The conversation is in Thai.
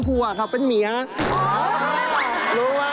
รู้ไหม